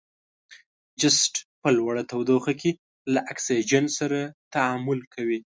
جست په لوړه تودوخه کې له اکسیجن سره تعامل کوي.